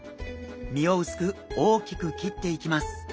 身を薄く大きく切っていきます。